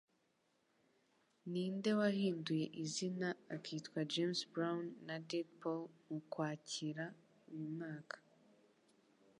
Ninde wahinduye izina akitwa James Brown na Deed Poll mu Kwakira uyu mwaka?